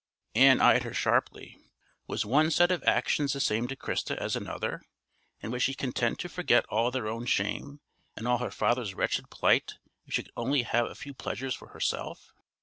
Ann eyed her sharply. Was one set of actions the same to Christa as another? and was she content to forget all their own shame and all her father's wretched plight if she could only have a few pleasures for herself?